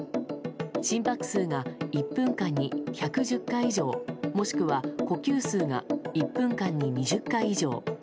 心拍数が１分間に１１０回以上もしくは呼吸数が１分間に２０回以上。